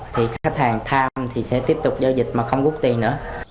thì khách hàng tham thì sẽ tiếp tục giao dịch mà không gút tiền nữa